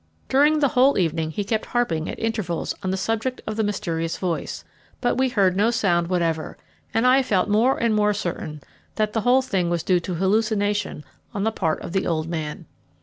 During the whole evening he kept harping at intervals on the subject of the mysterious voice, but we heard no sound whatever, and I felt more and more certain that the whole thing was due to hallucination on the part of the old man.